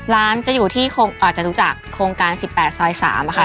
ร้านจะอยู่ที่อาจจะรู้จักโครงการ๑๘๐๑๓นะคะ